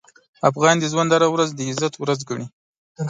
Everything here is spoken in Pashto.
افغان د ژوند هره ورځ د عزت ورځ ګڼي.